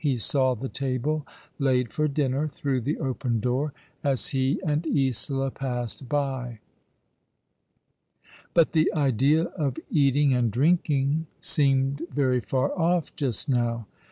He saw the table laid for dinner through the open door as he and Isola passed by ; but the idea of eating and drinking seemed yery far off just now.